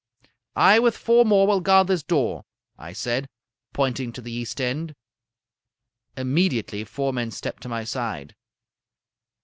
"'I with four more will guard this door,' I said, pointing to the east end. "Immediately four men stepped to my side.